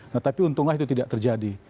nah tapi untunglah itu tidak terjadi